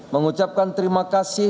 mengucapkan terima kasih